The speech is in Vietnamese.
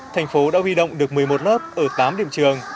thành phố đã huy động được một mươi một lớp ở tám điểm trường